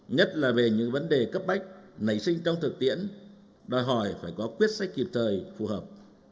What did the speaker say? nhất là về những vấn đề cấp bách nảy sinh trong thực tiễn đòi hỏi phải có quyết sách kịp thời phù hợp